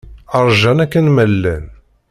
Ṛjan akken ma llan.